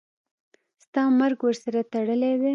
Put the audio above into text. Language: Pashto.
ستا مرګ ورسره تړلی دی.